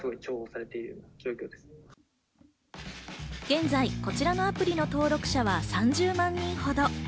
現在、こちらのアプリの登録者は３０万人ほど。